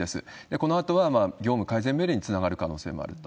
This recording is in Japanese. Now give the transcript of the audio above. このあとは、業務改善命令につながる可能性もあると。